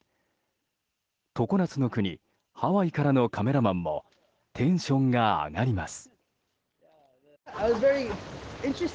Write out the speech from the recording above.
常夏の国ハワイからのカメラマンもテンションが上がります。